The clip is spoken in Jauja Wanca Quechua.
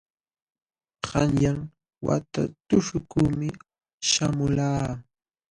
Qanyan wata tuśhukuqmi śhamulqaa.